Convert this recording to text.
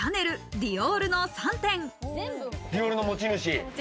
ディオールの持ち主。